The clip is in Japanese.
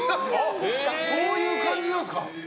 そういう感じなんですか。